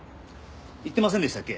言ってませんでしたっけ？